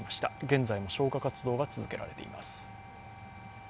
現在も消火活動が続けられています。